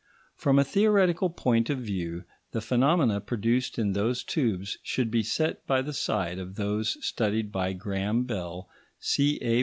From a theoretical point of view, the phenomena produced in those tubes should be set by the side of those studied by Graham Bell, C.A.